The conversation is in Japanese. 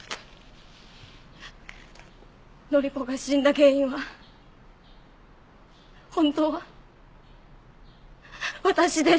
範子が死んだ原因は本当は私です。